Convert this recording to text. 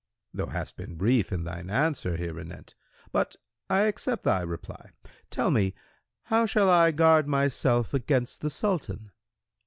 Q "Thou hast been brief in thine answer here anent; but I accept thy reply. Tell me, how shall I guard myself against the Sultan?"